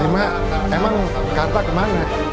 rima emang karta kemana